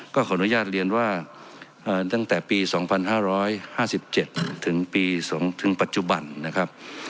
ขออนุญาตเรียนว่าตั้งแต่ปี๒๕๕๗ถึงปัจจุบันนะครับ